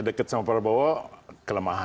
dekat sama prabowo kelemahannya